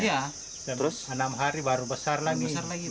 iya terus enam hari baru besar lagi